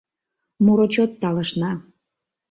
Муро чот талышна.